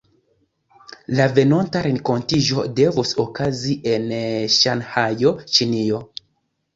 La venonta renkontiĝo devus okazi en Ŝanhajo, Ĉinio.